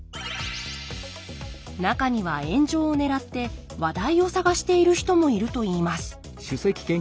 中には炎上をねらって話題を探している人もいるといいます